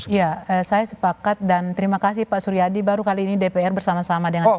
ya saya sepakat dan terima kasih pak suryadi baru kali ini dpr bersama sama dengan kpu